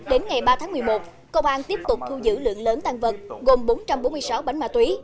đến ngày ba tháng một mươi một công an tiếp tục thu giữ lượng lớn tăng vật gồm bốn trăm bốn mươi sáu bánh ma túy